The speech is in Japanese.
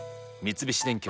三菱電機